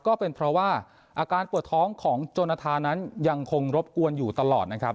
ก็เป็นเพราะว่าอาการปวดท้องของจนธานั้นยังคงรบกวนอยู่ตลอดนะครับ